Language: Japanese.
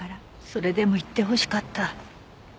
それでも言ってほしかった。